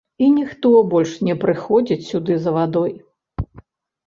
І ніхто больш не прыходзіць сюды за вадой.